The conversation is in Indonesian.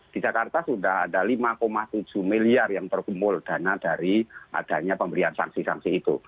di jakarta sudah ada lima tujuh miliar yang terkumpul dana dari adanya pemberian sanksi sanksi itu